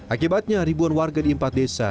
akibatnya ribuan warga di empat desa